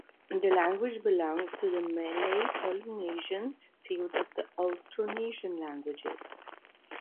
The language belong to the Malay-Polynesian field of the Austronesian languages.